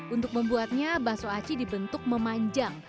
untuk membuatnya bakso aci dibentuk memanjang